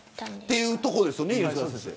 というところですよね犬塚先生。